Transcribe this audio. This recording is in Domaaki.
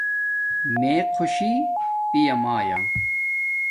میے خوشی پیامایا